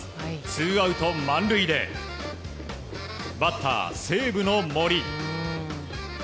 ツーアウト満塁でバッター、西武の森。